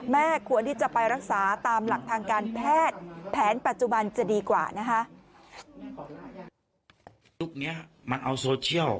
แม่ควรที่จะไปรักษาตามหลักทางการแพทย์